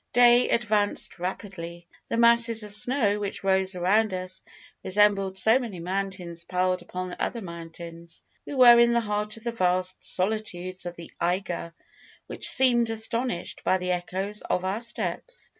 Day advanced rapidly. The masses of snow which rose around us resembled so many mountains piled upon other mountains. We were in the heart of the vast solitudes of the Eiger, which seemed astonished by the echoes of our steps.